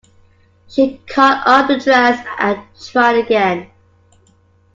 She caught up the dress and tried again.